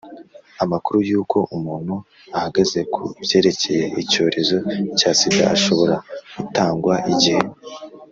amakuru y’uko umuntu ahagaze ku byerekeye icyorezo cya sida ashobora gutangwa igihe: